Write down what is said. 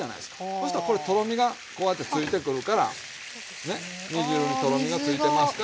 そしたらこれとろみがこうやってついてくるからね煮汁にとろみがついてますから。